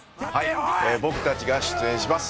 僕たちが出演します